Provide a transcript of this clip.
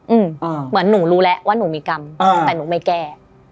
เหมือนหนูรู้แล้วว่าหนูมีกรรมอืมแต่หนูไม่แก้